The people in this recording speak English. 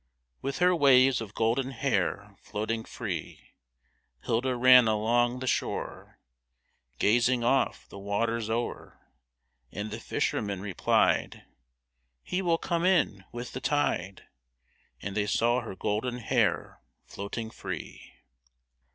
With her waves of golden hair Floating free, Hilda ran along the shore, Gazing off the waters o'er ; And the fishermen replied, *' He will come in with the tide," As they saw her golden hair Floating free